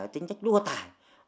tính chất lua tài